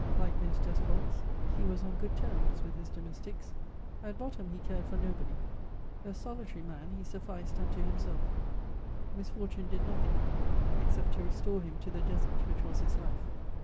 Like most despots, he was on good terms with his domestics; at bottom he cared for nobody: a solitary man, he sufficed unto himself; misfortune did nothing except to restore him to the desert which was his life.